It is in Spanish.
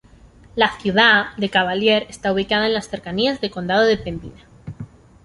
La "ciudad" de Cavalier está ubicada en las cercanías de Condado de Pembina.